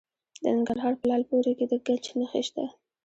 د ننګرهار په لعل پورې کې د ګچ نښې شته.